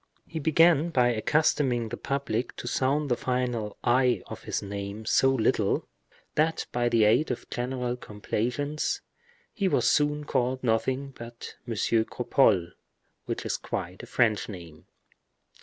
He began by accustoming the public to sound the final i of his name so little, that by the aid of general complaisance, he was soon called nothing but M. Cropole, which is quite a French name.